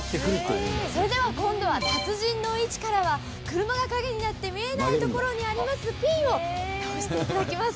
それでは今度は、達人の位置からは車が陰になって見えない所にありますピンを倒していただきます。